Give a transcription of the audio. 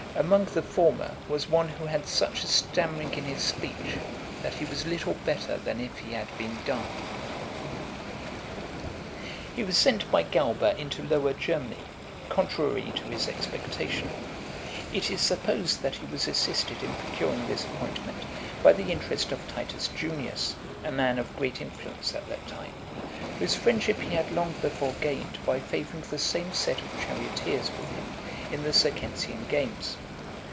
Among the former was one who had such a stammering in his speech, that he was little better than if he had been dumb. VII. He was sent by Galba into Lower Germany , contrary to his expectation. It is supposed that he was assisted in procuring this appointment by the interest of Titus Junius, a man of great influence at that time; whose friendship he had long before gained by favouring the same set of charioteers with him in the Circensian games.